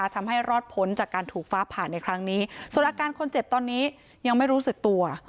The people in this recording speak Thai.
ทำให้รอดพ้นจากการถูกฟ้าผ่านในครั้งนี้ส่วนอาการคนเจ็บตอนนี้ยังไม่รู้สึกตัว